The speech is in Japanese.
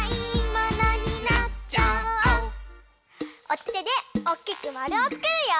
おててでおっきくまるをつくるよ。